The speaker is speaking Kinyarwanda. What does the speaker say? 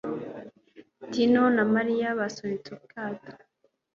Tino na Mariya basunitse ubwato